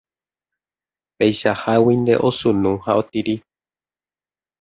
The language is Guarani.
Peichaháguinte osunu ha otiri